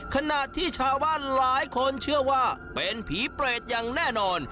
ขณะที่ชาวบ้านหลายคนเชื่อว่าเป็นผีเปรตอย่างแน่นอน